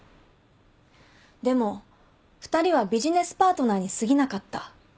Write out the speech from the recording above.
でも２人はビジネスパートナーにすぎなかった。